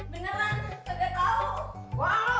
beneran kagak tahu